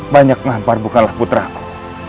banyak ngampar bukanlah putraku